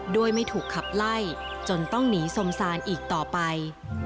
ไม่ถูกขับไล่จนต้องหนีสมซานอีกต่อไป